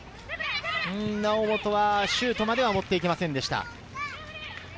猶本、シュートまで持っていけませんでした。